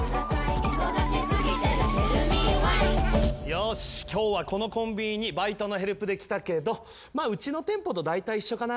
よし今日はこのコンビニにバイトのヘルプで来たけどまあうちの店舗とだいたい一緒かな。